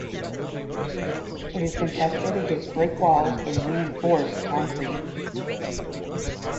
It has been tested against brick walls and reinforced concrete.